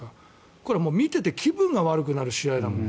これは見ていて気分が悪くなる試合だもん。